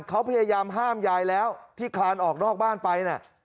เขาพยายามห้ามยายแล้วที่คลานออกนอกบ้านไปน่ะ